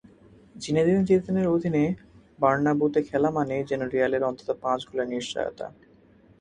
Zinedine জিদানের অধীনে বার্নাব্যুতে খেলা মানেই যেন রিয়ালের অন্তত পাঁচ গোলের নিশ্চয়তা।